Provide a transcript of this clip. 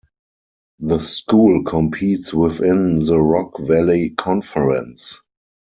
The school competes within the Rock Valley Conference.